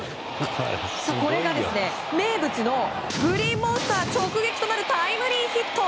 これが名物のグリーンモンスター直撃となるタイムリーヒット。